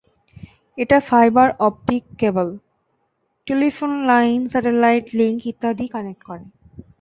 এটা fibre optic cable, telephone line, satellite link ইত্যাদি connect করে।